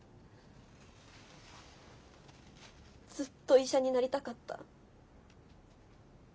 ずっと医者になりたかった。